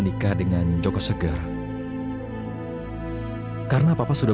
tidak tidak tidak